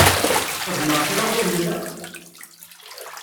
Xedmeɣ kra ur nlaq?